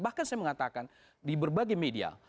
bahkan saya mengatakan di berbagai media